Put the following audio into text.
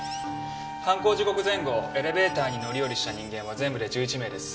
犯行時刻前後エレベーターに乗り降りした人間は全部で１１名です。